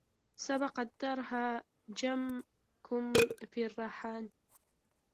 سبق الدهر جدكم في الرهان